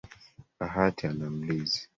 Bahati ana mlizi